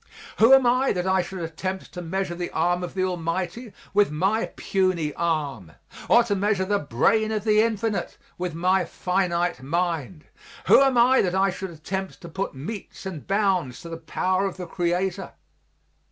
Who am I that I should attempt to measure the arm of the Almighty with my puny arm, or to measure the brain of the Infinite with my finite mind? Who am I that I should attempt to put metes and bounds to the power of the Creator?